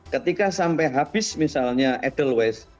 ketika sampai habis misalnya edelweiss